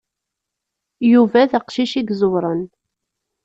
Yuba d aqcic i iẓewṛen.